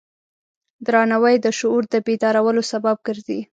درناوی د شعور د بیدارولو سبب ګرځي.